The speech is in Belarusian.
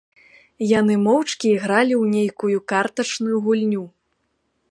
Яны моўчкі ігралі ў нейкую картачную гульню.